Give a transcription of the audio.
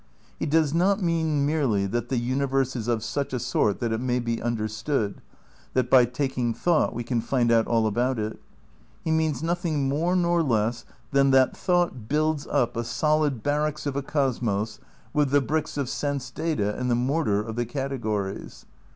He does not mean merely that the universe is of such a sort that it may be understood, that by taking thought we can find out all about it. He means nothing more nor less than that thought builds up a solid barracks of a cosmos with the bricks of sense data and the mortar of the categories.